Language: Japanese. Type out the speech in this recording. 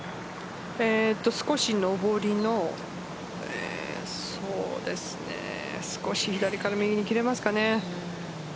少し上りの少し左から右に切れますかね。